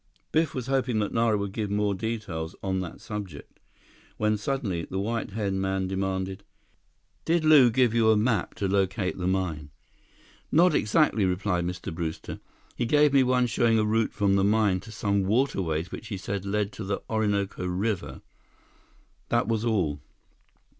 Biff was hoping that Nara would give more details on that subject, when suddenly, the white haired man demanded: "Did Lew give you a map to locate the mine?" "Not exactly," replied Mr. Brewster. "He gave me one showing a route from the mine to some waterways which he said led to the Orinoco River. That was all."